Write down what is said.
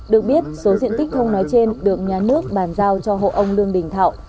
được biết số diện tích thông nói trên được nhà nước bàn giao cho hộ ông lương đình thảo